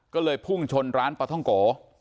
ก็เลยพุ่งชนร้านปลาท่องโก